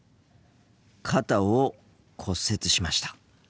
肩を骨折しました。